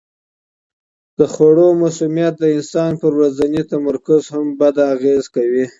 د خوړو مسمومیت د انسان پر ورځني تمرکز هم بد اغېز کوي.